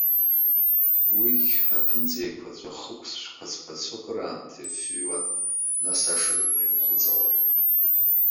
Уигьы, аԥынҵа еиқәаҵәа ахықәцә қәацқәацо акыраамҭа иафҩуан, нас ашырҳәа инхәыҵалан.